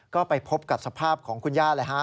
ก็ไปพบกับสภาพของคุณย่าเลยฮะ